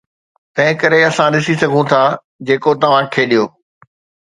تنهنڪري اسان ڏسي سگهون ٿا جيڪو توهان کيڏيو